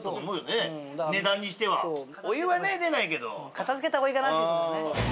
片づけた方がいいかなっていうとこはね。